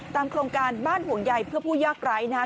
โครงการบ้านห่วงใยเพื่อผู้ยากไร้นะครับ